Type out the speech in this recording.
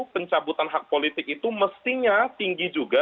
pencabutan hak politik itu mestinya tinggi juga